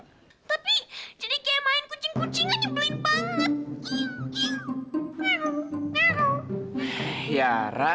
tapi jadi kayak main kucing kucing aja nyebelin banget